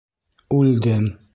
Үлдем...